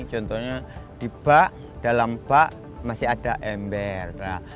contohnya di bak dalam bak masih ada ember